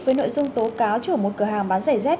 với nội dung tố cáo chủ một cửa hàng bán giày dép